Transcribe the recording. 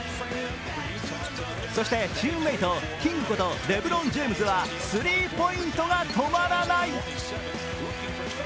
そして、チームメート、キングことレブロン・ジェームズはスリーポイントが止まらない。